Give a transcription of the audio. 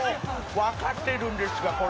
「わかってるんですが